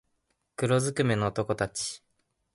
黒づくめの男たち